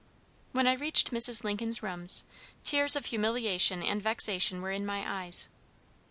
When I reached Mrs. Lincoln's rooms, tears of humiliation and vexation were in my eyes.